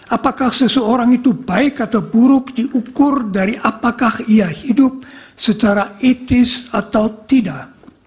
apakah seseorang itu baik atau buruk diukur dari apakah ia hidup secara etis atau tidak